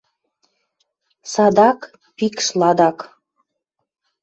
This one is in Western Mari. Садак — пикш ладак.